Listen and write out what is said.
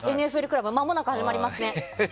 「ＮＦＬ倶楽部」まもなく始まりますね。